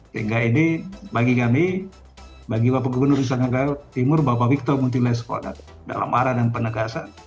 sehingga ini bagi kami bagi bapak gubernur negara timur bapak victor muntilai sekolah dalam arah dan penegasan